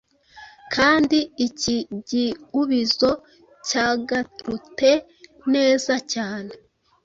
kandi iki giubizo cyagarute nezacyane